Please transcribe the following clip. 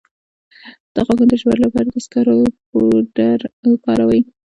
د غاښونو د ژیړوالي لپاره د سکرو پوډر وکاروئ